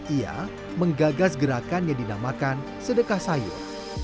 ia menggagas gerakan yang dinamakan sedekah sayur